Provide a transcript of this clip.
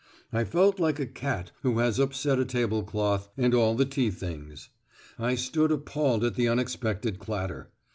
I felt like a cat who has upset a tablecloth and all the tea things. I stood appalled at the unexpected clatter.